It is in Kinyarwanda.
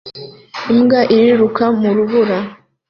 Imbwa iriruka mu rubura